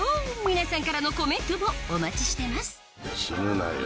皆さんからのコメントをお待ちしてます死ぬなよ。